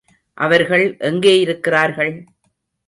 அவர்கள் எங்கே இருக்கிறார்கள்?